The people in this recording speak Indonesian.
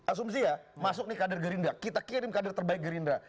asumsi ya masuk nih kader gerindra kita kirim kader terbaik gerindra